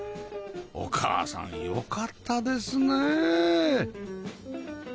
お母さんよかったですね